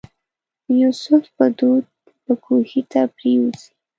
د یوسف په دود به کوهي ته پرېوځي.